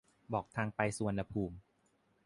บอกทางไปสุวรรณภูมิ